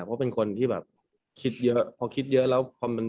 เพราะเป็นคนที่แบบคิดเยอะพอคิดเยอะแล้วพอมัน